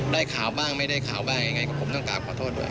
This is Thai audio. ได้ข่าวบ้างไม่ได้ข่าวบ้างยังไงก็ผมต้องกราบขอโทษด้วย